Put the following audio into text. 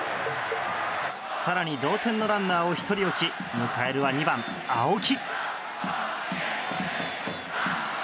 更に同点のランナーを１人置き迎えるは２番、青木。